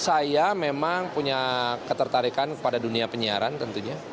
saya memang punya ketertarikan kepada dunia penyiaran tentunya